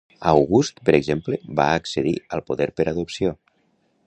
August, per exemple, va accedir al poder per adopció.